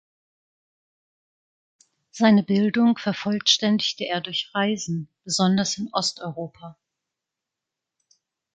Seine Bildung vervollständigte er durch Reisen, besonders in Osteuropa.